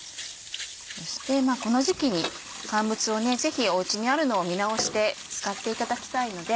そしてこの時期に乾物をぜひおうちにあるのを見直して使っていただきたいので。